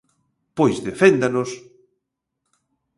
¡Pois deféndanos!